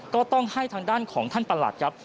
ก็ต้องให้ทางด้านของท่านประหลัดครับ